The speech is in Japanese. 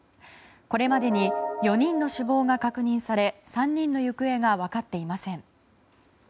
これまでに４人の死亡が確認され３人の行方が分かっていません。